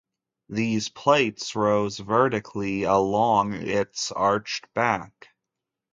These plates rose vertically along its arched back.